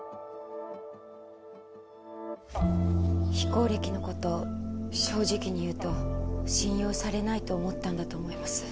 非行歴のこと正直に言うと信用されないと思ったんだと思います